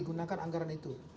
gunakan anggaran itu